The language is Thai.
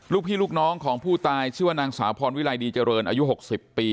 ลูกพี่ลูกน้องของผู้ตายชื่อว่านางสาวพรวิลัยดีเจริญอายุ๖๐ปี